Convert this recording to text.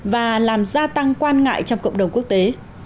và làm gia tăng quan ngại trong cộng đồng quốc tế